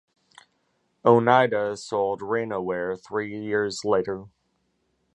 Oneida sold Rena-ware three years later.